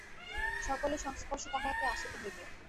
সকলের সংস্পর্শে তাঁহাকে আসিতে হইবে।